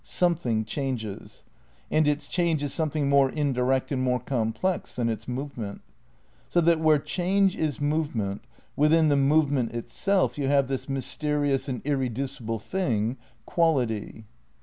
Something changes ; and its change is some thing more indirect and more complex than its move ment. So that where change is movement, within the movement itself you have this mysterious and irre ducible thing, quality.